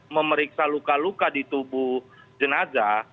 memeriksa luka luka di tubuh jenazah